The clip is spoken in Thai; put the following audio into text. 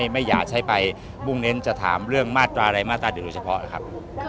ไม่อยากใช้ไปมุ่งเน้นจะถามเรื่องมาตราอะไรมาตรา๑โดยเฉพาะนะครับ